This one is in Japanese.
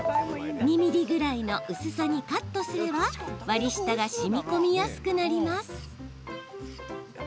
２ｍｍぐらいの薄さにカットすれば割り下がしみこみやすくなります。